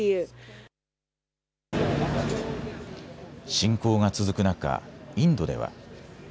侵攻が続く中、インドでは。